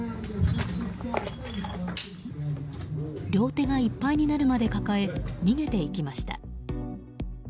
両手がいっぱいになるまで抱え逃げていきました。